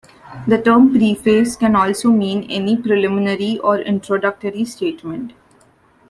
The term "preface" can also mean any preliminary or introductory statement.